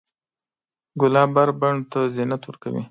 ګلاب هر بڼ ته زینت ورکوي.